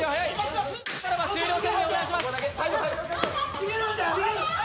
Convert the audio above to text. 終了宣言お願いします。